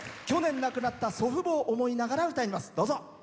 去年、亡くなった祖父母を思いながら歌います。